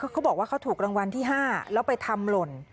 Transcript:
เขาบอกว่าเขาถูกรางวัลที่๕แล้วไปทำหล่น